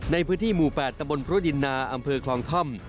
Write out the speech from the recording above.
ในพื้นที่หมู่๘ตำบลพรุดินนาอำเภอคลองท่อม